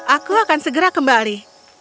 aku akan segera kembali